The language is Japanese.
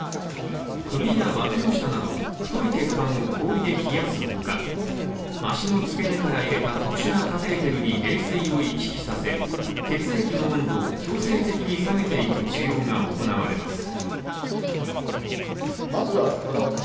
首や脇の下など、太い血管を氷で冷やすほか、脚の付け根から入れた特殊なカテーテルに冷水を行き来させ血液の温度を強制的に下げていく治療が行われます。